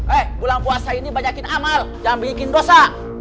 eh bulan puasa ini banyakin amal jangan bikin dosa